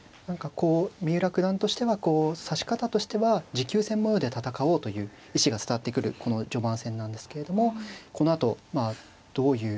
こう三浦九段としては指し方としては持久戦模様で戦おうという意思が伝わってくるこの序盤戦なんですけれどもこのあとまあどういう。